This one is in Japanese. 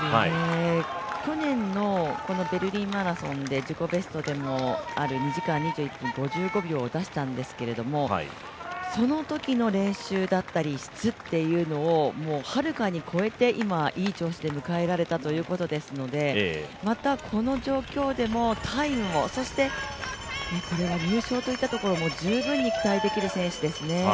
去年のベルリンマラソンで自己ベストでもある２時間２１分５５秒を出したんですけども、そのときの練習だったり質っていうのを、はるかに超えて、今いい調子で迎えられたということですのでまたこの状況でもタイムもそして入賞というところも十分に期待できる選手ですね。